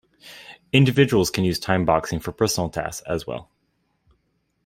Individuals can use timeboxing for personal tasks, as well.